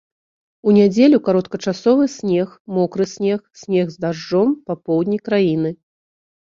У нядзелю кароткачасовы снег, мокры снег, снег з дажджом па поўдні краіны.